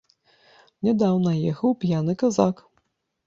Нядаўна ехаў п'яны казак.